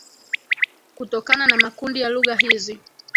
kutokana na makundi ya lugha hizi